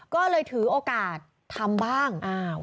ก็เลยถือโอกาสทำบ้าง